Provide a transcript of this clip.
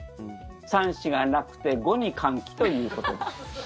３、４がなくて５に換気ということ。